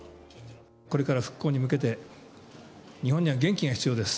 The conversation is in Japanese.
これから復興に向けて、日本には元気が必要です。